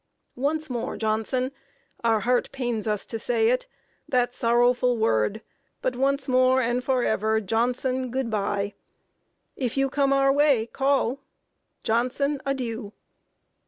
"Once more, Johnson our heart pains us to say it that sorrowful word! but once more and forever, Johnson, GOOD BY! If you come our way, Call! Johnson, adieu!"